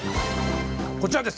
こちらです。